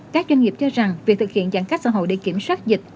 các doanh nghiệp cho rằng việc thực hiện giãn cách xã hội để kiểm soát dịch